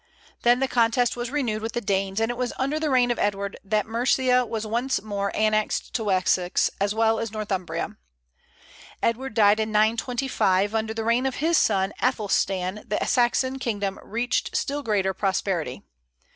Then the contest was renewed with the Danes, and it was under the reign of Edward that Mercia was once more annexed to Wessex, as well as Northumbria. Edward died in 925, and under the reign of his son Aethelstan the Saxon kingdom reached still greater prosperity.